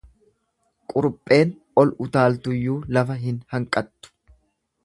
Qurupheen ol utaaltuyyuu lafa hin hanqattu.